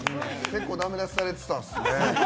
結構だめ出しされてたっすね。